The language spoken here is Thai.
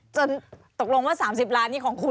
ตกลงว่า๓๐ล้านนี่ของคุณ